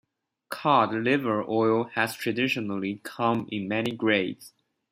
Cod liver oil has traditionally come in many grades.